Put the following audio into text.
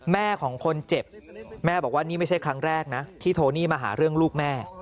แม่ของคนเจ็บแม่บอกว่านี่ไม่ใช่ครั้งแรกนะที่โทนี่มาหาเรื่องลูกแม่